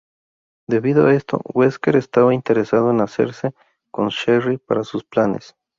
Debido a esto, Wesker estaba interesado en hacerse con Sherry para sus planes.